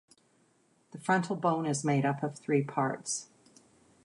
The frontal bone is made up of three parts.